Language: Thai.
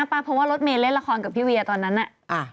เพราะว่ารถเมย์เล่นละครกับพี่เวียตอนนั้นน่ะ